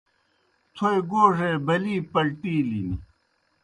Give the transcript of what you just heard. تھوئے گوڙے بلِی پلٹِیلِن۔